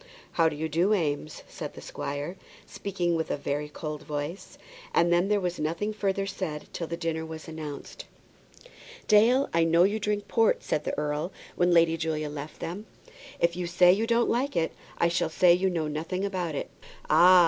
"How do you do, Eames?" said the squire, speaking with a very cold voice. And then there was nothing further said till the dinner was announced. "Dale, I know you drink port," said the earl when Lady Julia left them. "If you say you don't like that, I shall say you know nothing about it." "Ah!